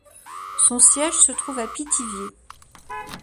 Son siège se trouve à Pithiviers.